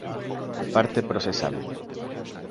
Parte Procesal.